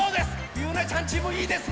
ゆうなちゃんチームいいですね。